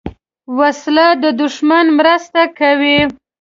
وسله د دوښمن مرسته کوي